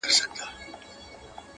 دېو که شیطان یې خو ښکرور یې٫